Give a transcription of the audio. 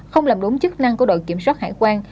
không làm đúng chức năng của đội kiểm soát hải quan